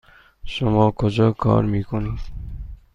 شما کجا کار میکنید؟